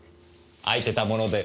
開いてたもので。